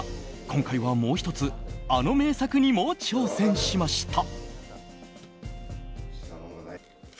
今回はもう１つあの名作にも挑戦しました。